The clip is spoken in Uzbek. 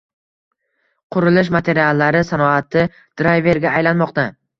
Qurilish materiallari sanoati “drayver”ga aylanmoqda